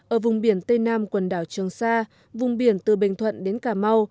ở vùng biển tây nam quần đảo trường sa vùng biển từ bình thuận đến cà mau